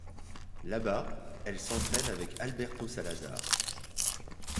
Là-bas, elle s'entraîne avec Alberto Salazar.